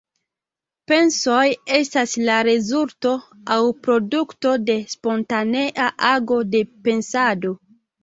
Pensoj estas la rezulto aŭ produkto de spontanea ago de pensado.